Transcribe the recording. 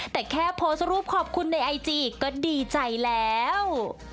แต่แค่โพสต์รูปขอบคุณในไอจีก็ดีใจแล้ว